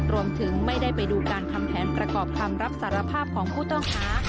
รวมถึงไม่ได้ไปดูการทำแผนประกอบคำรับสารภาพของผู้ต้องหา